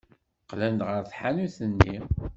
Qqlen ɣer tḥanut-nni.